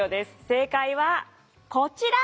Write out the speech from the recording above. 正解はこちら！